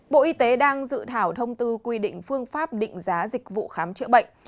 bộ y tế đang dự thảo thông tư quy định phương pháp định giá dịch vụ khám chữa bệnh